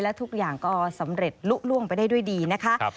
และทุกอย่างก็สำเร็จลุล่วงไปได้ด้วยดีนะคะ